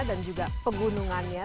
dan juga pegunungannya